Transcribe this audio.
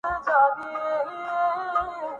وہ نہیں ملی ہم کو ہک بٹن سرکتی جین